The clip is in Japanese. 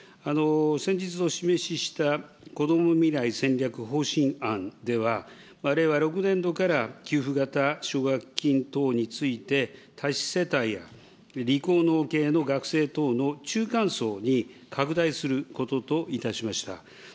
先日お示ししたこども未来戦略方針案では、令和６年度から給付型奨学金等について、多子世帯や、理工農系の学生等の中間層に拡大することといたしました。